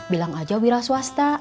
bilang aja wira swasta